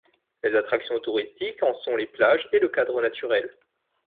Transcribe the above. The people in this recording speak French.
Les attractions touristiques en sont les plages et le cadre naturel.